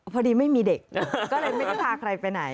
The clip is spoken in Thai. พอดีไม่มีเด็กก็เลยไม่ได้พาใครไปไหน